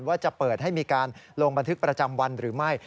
ว่าจะเปิดให้มีการลงบันทึกประจำวันหรือไม่